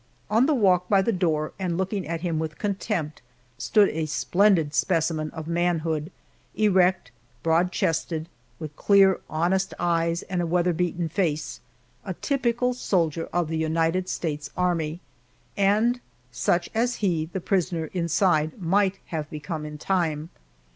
On the walk by the door, and looking at him with contempt, stood a splendid specimen of manhood erect, broad chested, with clear, honest eyes and a weather beaten face a typical soldier of the United States Army, and such as he, the prisoner inside might have become in time.